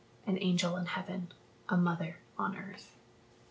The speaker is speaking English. An angel in heaven, a mother on earth.